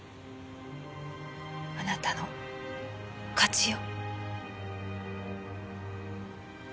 あなたの勝ちよ。